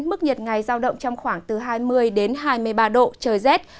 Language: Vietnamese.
mức nhiệt ngày giao động trong khoảng từ hai mươi đến hai mươi ba độ trời rét